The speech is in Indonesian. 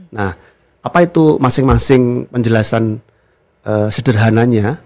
nah apa itu masing masing penjelasan sederhananya